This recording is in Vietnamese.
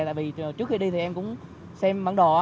tại vì trước khi đi thì em cũng xem bản đồ